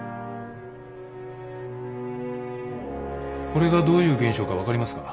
これがどういう現象か分かりますか？